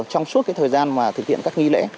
thực hiện các nghi lễ